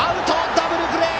ダブルプレー！